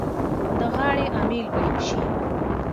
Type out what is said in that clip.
د غاړې امېل به یې شي.